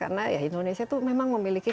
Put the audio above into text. karena ya indonesia itu memang memiliki